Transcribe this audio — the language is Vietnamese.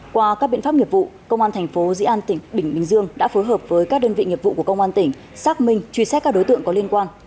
qua các biện pháp nghiệp vụ công an thành phố dĩ an tỉnh bình bình dương đã phối hợp với các đơn vị nghiệp vụ của công an tỉnh xác minh truy xét các đối tượng có liên quan